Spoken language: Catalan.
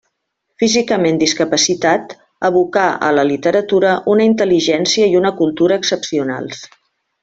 Físicament discapacitat, abocà a la literatura una intel·ligència i una cultura excepcionals.